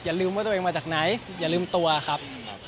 ลืมว่าตัวเองมาจากไหนอย่าลืมตัวครับ